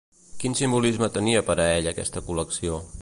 Quin simbolisme tenia per a ell aquesta col·lecció?